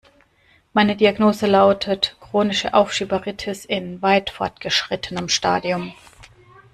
Meine Diagnose lautet chronische Aufschieberitis in weit fortgeschrittenem Stadium.